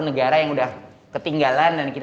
negara yang udah ketinggalan dan kita